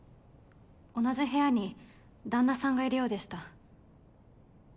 同じ部屋に旦那さんがいるようでした。